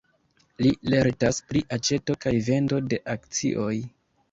Li lertas pri aĉeto kaj vendo de akcioj.